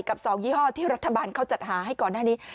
กับ๒ยี่ห้อที่รัฐบาลเขาจัดหาให้ก่อนหน้านี้